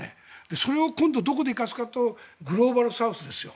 それを今度どこで生かすかというとグローバルサウスですよ。